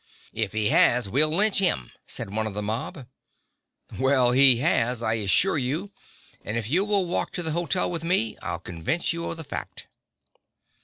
"If he has we'll lynch him," said one of the mob. "Well, he has, I'll assure you, and if you will walk to the hotel with me, I'll convince you of the fact."